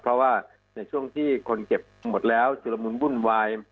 เพราะว่าในช่วงที่คนเจ็บหมดแล้วชุดละมุนวุ่นวาย